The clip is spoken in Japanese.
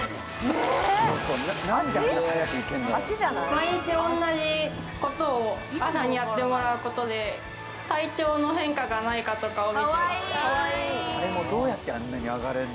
毎日同じことを朝にやってもらうことで体調の変化がないかとかを見ています。